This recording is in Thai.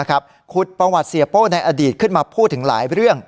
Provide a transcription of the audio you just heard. ขุดประวัติเสียโป้ในอดีตขึ้นมาพูดถึงหลายเรื่อง